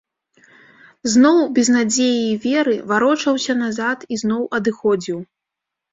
Зноў, без надзеі і веры, варочаўся назад і зноў адыходзіў.